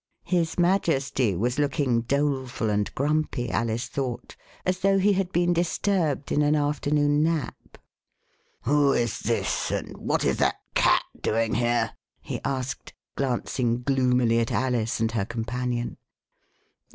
His Majesty was looking doleful and grumpy, Alice thought, as though he had been disturbed in an afternoon nap. "Who is this, and what is that Cat THE KING WAS FAST ASLEEP. doing here?" he asked, glancing gloomily at Alice and her companion.